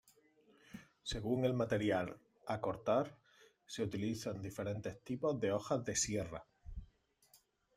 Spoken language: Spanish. Según el material a cortar se utilizan diferentes tipos de hojas de sierra.